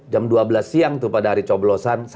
jam dua belas siang tuh pada hari coblosan